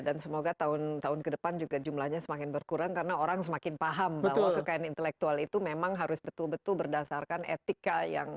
semoga tahun tahun ke depan juga jumlahnya semakin berkurang karena orang semakin paham bahwa kekayaan intelektual itu memang harus betul betul berdasarkan etika yang